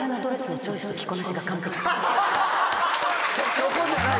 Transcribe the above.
そこじゃない。